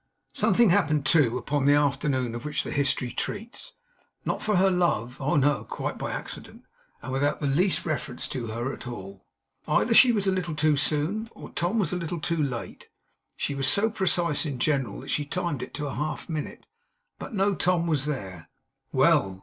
Something happened, too, upon the afternoon of which the history treats. Not for her love. Oh no! quite by accident, and without the least reference to her at all. Either she was a little too soon, or Tom was a little too late she was so precise in general, that she timed it to half a minute but no Tom was there. Well!